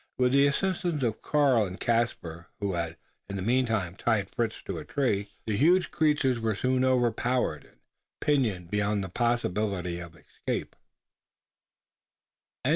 With the assistance of Karl and Caspar who had in the meantime tied Fritz to a tree the huge creatures were soon overpowered, and pinioned beyond the possibility of escaping.